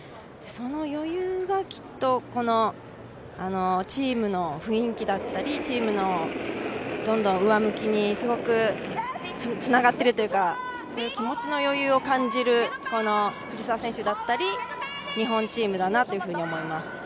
その余裕がきっとこのチームの雰囲気だったり、チームの上向きにすごくつながっているというか気持ちの余裕を感じる藤澤選手だったり日本チームだなと思います。